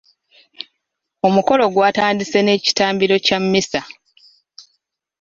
Omukolo gwatandise n'ekitambiro kya mmisa .